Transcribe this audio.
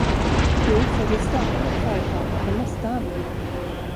Jo, för vi startar vårt företag, det måste han.